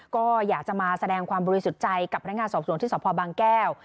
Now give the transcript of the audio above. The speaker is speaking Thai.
ก็อยากจะมาแสดงความบริสุทธิ์ใจกับพนักงานสอบสวนที่สพบางแก้ว